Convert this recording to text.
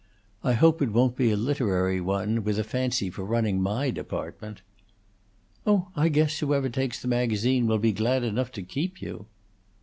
I hope it won't be a literary one, with a fancy for running my department." "Oh, I guess whoever takes the magazine will be glad enough to keep you!"